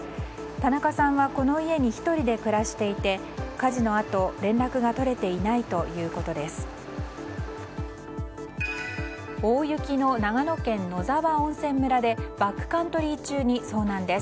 田中さんはこの家に１人で暮らしていて火事のあと、連絡が取れていないということです。